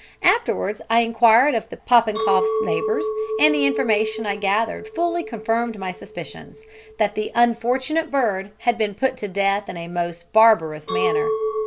Afterwards I enquired of the Popenkoffs' neighbours, and the information I gathered fully confirmed my suspicions that the unfortunate bird had been put to death in a most barbarous manner.